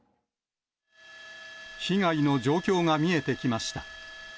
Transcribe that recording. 被害の状況が見えてきました。